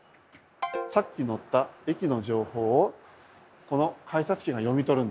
さっき乗った駅の情報をこの改札機が読み取るんです。